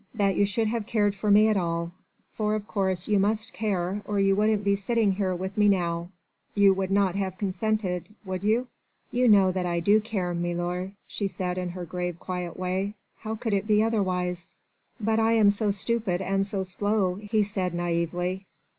"That you should have cared for me at all. For of course you must care, or you wouldn't be sitting here with me now ... you would not have consented ... would you?" "You know that I do care, milor," she said in her grave quiet way. "How could it be otherwise?" "But I am so stupid and so slow," he said naïvely.